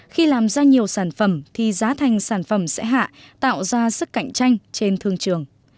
khi làm ra nhiều sản phẩm thì giá thành sản phẩm sẽ hạ tạo ra sức cạnh tranh trên thương trường